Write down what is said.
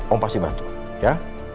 om pasti bantu ya